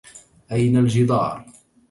أين الجدار ؟